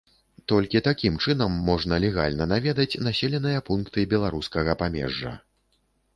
Толькі такім чынам можна легальна наведаць населеныя пункты беларускага памежжа.